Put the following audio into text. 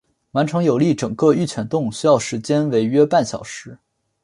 完成游历整个玉泉洞需要时间为约半小时。